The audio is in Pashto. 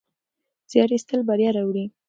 زیار ایستل بریا راوړي.